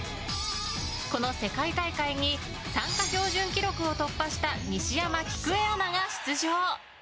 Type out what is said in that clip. この世界大会に参加標準記録を突破した西山喜久恵アナが出場。